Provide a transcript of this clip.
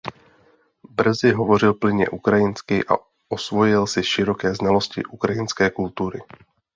Brzy hovořil plynně ukrajinsky a osvojil si široké znalosti ukrajinské kultury.